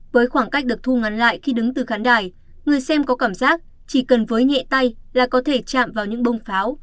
với khoảng cách được thu ngắn lại khi đứng từ khán đài người xem có cảm giác chỉ cần với nhẹ tay là có thể chạm vào những bông pháo